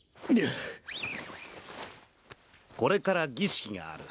これから儀式がある。